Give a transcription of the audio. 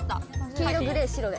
黄色グレー白で。